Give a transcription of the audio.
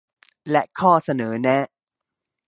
และข้อเสนอแนะ